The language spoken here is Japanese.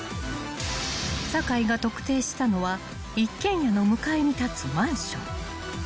［酒井が特定したのは一軒家の向かいに立つマンション］